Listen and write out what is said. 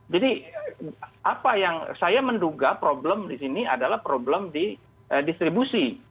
apa yang saya menduga problem di sini adalah problem di distribusi